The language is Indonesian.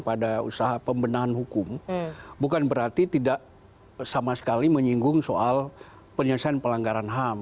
pada usaha pembenahan hukum bukan berarti tidak sama sekali menyinggung soal penyelesaian pelanggaran ham